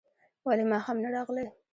ولي ماښام نه راغلې؟